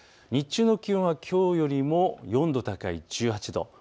日中の気温はきょうよりも４度高い１８度。